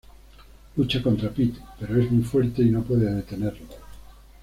Lucha contra Pete, pero es muy fuerte y no puede detenerlo.